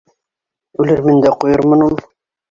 Үлермен дә ҡуйырмын ул!